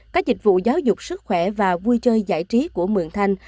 các dịch vụ giáo dục sức khỏe và vui chơi giải trí của mượn thanh